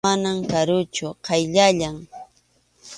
Mana karuchu, qayllallam.